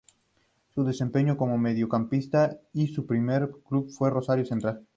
Se desempeñaba como mediocampista y su primer club fue Rosario Central.